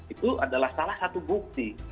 itu adalah salah satu bukti